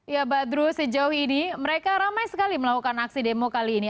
ya badru sejauh ini mereka ramai sekali melakukan aksi demo kali ini